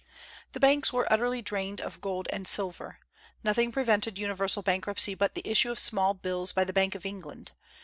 The banks were utterly drained of gold and silver. Nothing prevented universal bankruptcy but the issue of small bills by the Bank of England.